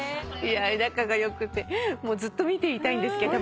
仲が良くてずっと見ていたいんですけども。